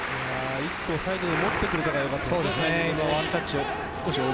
一つサイドで持ってくれたのがよかったですね。